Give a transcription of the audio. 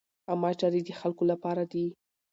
عامه چارې د خلکو له پاره دي.